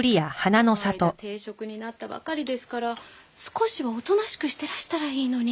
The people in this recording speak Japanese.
この間停職になったばかりですから少しはおとなしくしてらしたらいいのに。